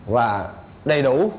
và đầy đủ